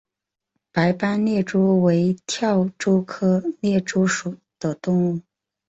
白斑猎蛛为跳蛛科猎蛛属的动物。